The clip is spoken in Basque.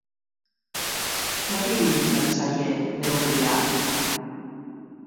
Zer iruditzen zaie neurria?